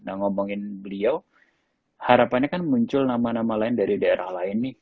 nah ngomongin beliau harapannya kan muncul nama nama lain dari daerah lain nih